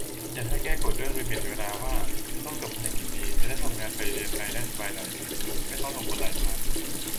อยากให้แก้กฎเรื่องลิมิตเวลาว่าต้องจบภายในกี่ปี จะได้ทำงานไปเรียนไปได้สบายหน่อย ไม่ต้องกังวลหลายทาง